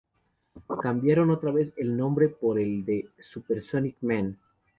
Cambiaron otra vez el nombre por el de "Supersonic Man".